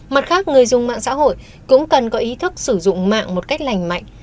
mặt khác người dùng mạng xã hội cũng cần có ý thức sử dụng mạng một cách lành mạnh